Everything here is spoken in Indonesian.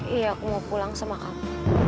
iya aku mau pulang sama kamu